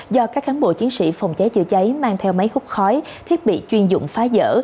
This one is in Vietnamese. do các cán bộ chiến sĩ phòng cháy chữa cháy mang theo máy hút khói thiết bị chuyên dụng phá dỡ